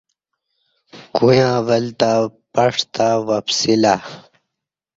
کویاں ول تں پَݜ تں وپسی لہ